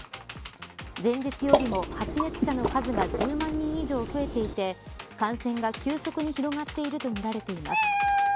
前日よりも発熱者の数が１０万人以上増えていて感染が急速に広がっているとみられています。